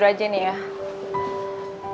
siapa yang senyum